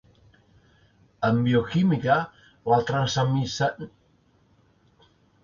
En bioquímica la transaminació es fa amb enzims anomenats transaminases o aminotransferases.